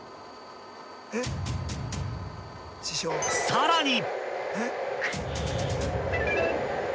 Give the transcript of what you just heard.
［さらに］